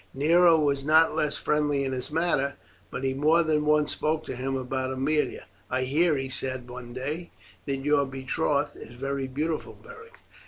Nero was not less friendly in his manner, but he more than once spoke to him about Aemilia. "I hear," he said one day, "that your betrothed is very beautiful Beric."